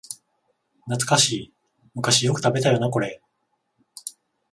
懐かしい、昔よく食べたよなこれ